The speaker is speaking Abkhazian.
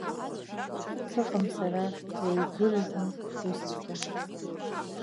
Сыҟам сара суаҩгәыразны усҵәҟьа.